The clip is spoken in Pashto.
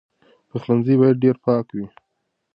پخلنځی باید ډېر پاک وي.